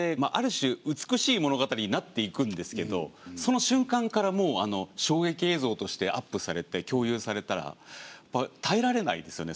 種美しい物語になっていくんですけどその瞬間からもう衝撃映像としてアップされて共有されたら耐えられないですよね